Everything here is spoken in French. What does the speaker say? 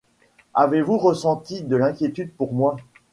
Avez-vous ressenti de l'inquiétude pour moi ?